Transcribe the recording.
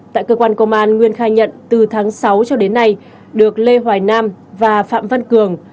tại cơ quan công an nguyên khai nhận từ tháng sáu cho đến nay được lê hoài nam và phạm văn cường